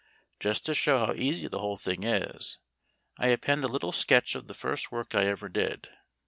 Just to show how easy the whole thing is, I append a little sketch of the first work I ever did.